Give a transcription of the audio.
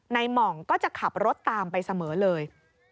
หม่องก็จะขับรถตามไปเสมอเลย